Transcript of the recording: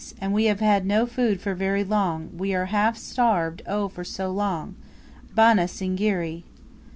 And we have had no food for very long We are half starved, oh, for so long! Bana Singiri!